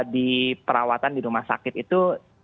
di perawatan di rumah sakit itu